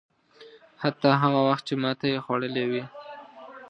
حتی هغه وخت چې ماته یې خوړلې وي.